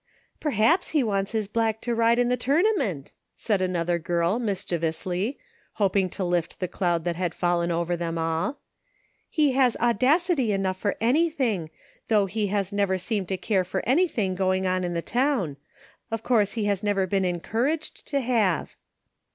" Perhaps he wants his black to ride in the tourna ment," said another girl mischievously, hoping to lift the cloud that had fallen over them all. " He has audacity enough for anything, though he has never seemed to care for anything going on in the town. Of course he has never been encouraged to have."